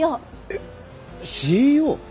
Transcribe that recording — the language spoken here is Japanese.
えっＣＥＯ！？